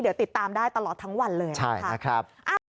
เดี๋ยวติดตามได้ตลอดทั้งวันเลยนะครับ